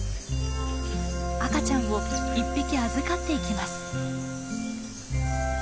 赤ちゃんを１匹預かっていきます。